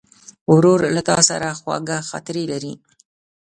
ورور له تا سره خواږه خاطرې لري.